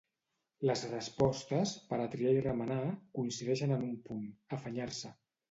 Les respostes, per a triar i remenar, coincideixen en un punt: afanyar-se.